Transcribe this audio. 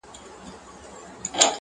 سپی پر خپل مالک د حد له پاسه ګران ؤ,